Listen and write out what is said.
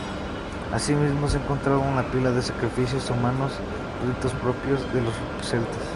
Asimismo, se ha encontrado una pila de sacrificios humanos, ritos propios de los celtas.